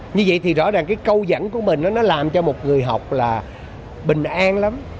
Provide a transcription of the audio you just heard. như vậy thì rõ ràng cái câu dẫn của mình nó làm cho một người học là bình an lắm